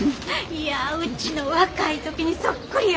いやうちの若い時にそっくりやわ。